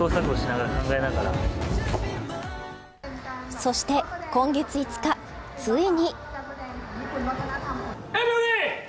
そして、今月５日ついに。